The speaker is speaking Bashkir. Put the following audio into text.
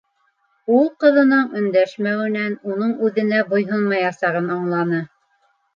Ул ҡыҙының өндәшмәүенән уның үҙенә буйһонмаясағын аңланы.